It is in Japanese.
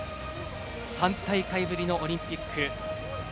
３大会ぶりのオリンピック。